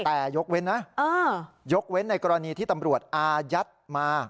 แต่ยกเว้นนะยกเว้นในกรณีที่ตำรวจอายัดมา